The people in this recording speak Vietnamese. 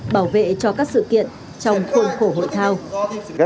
bảo vệ cho các sự kiện trong khuôn khổ hội thao